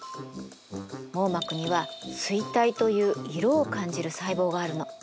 網膜には錐体という色を感じる細胞があるの。